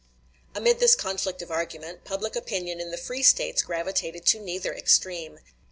Amid this conflict of argument, public opinion in the free States gravitated to neither extreme.